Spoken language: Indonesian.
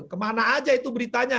kemana aja itu beritanya